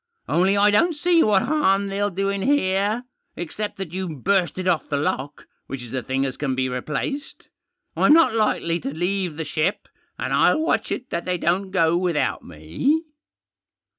Only I don't see what harm they'll do in here, except that you've bursted off the lock, which is a thihg las can be replaced. I'm not likely to leave the ship* and I'll watch it that they don't go without me."